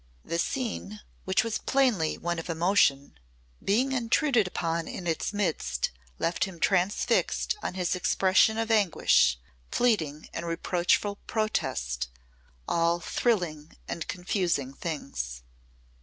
The scene, which was plainly one of emotion, being intruded upon in its midst left him transfixed on his expression of anguish, pleading and reproachful protest all thrilling and confusing things.